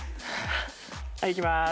はいいきまーす。